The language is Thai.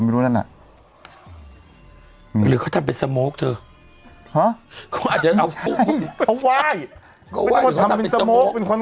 ๊ะไม่ใจบอกยังอาบให้ก็ใช่เหรอ